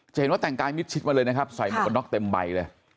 เห็นว่าแต่งกายมิดชิดมาเลยนะครับใส่หมวกกันน็อกเต็มใบเลย